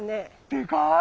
でかい！